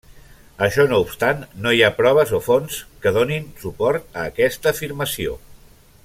Això no obstant, no hi ha proves o fonts que donin suport a aquesta afirmació.